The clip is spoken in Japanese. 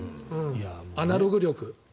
アナログ力。